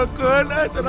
gua mau mukul